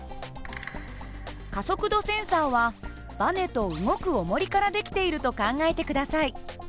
加速度センサーはばねと動くおもりから出来ていると考えて下さい。